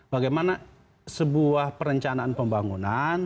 bagaimana sebuah perencanaan pembangunan